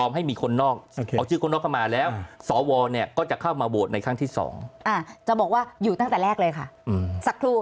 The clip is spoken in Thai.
ในขั้นที่สองอ่าจะบอกว่าอยู่ตั้งแต่แรกเลยค่ะอืมสักทั่วค่ะ